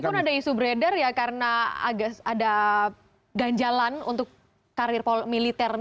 tidak pun ada isu beredar ya karena ada ganjalan untuk karir militernya agus hadi murti